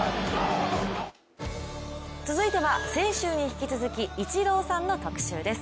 続いては先週に引き続きイチローさんの特集です。